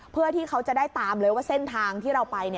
เพื่อที่เขาจะได้ตามเลยว่าเส้นทางที่เราไป